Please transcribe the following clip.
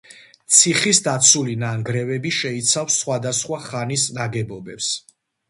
ციხის დაცული ნანგრევები შეიცავს სხვადასხვა ხანის ნაგებობებს.